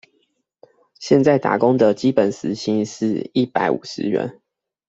現在打工的基本時薪是一百五十元